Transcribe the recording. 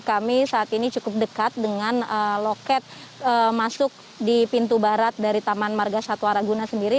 kami saat ini cukup dekat dengan loket masuk di pintu barat dari taman marga satwa raguna sendiri